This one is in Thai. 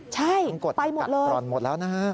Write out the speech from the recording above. ใช่กดกัดรอนหมดแล้วนะฮะ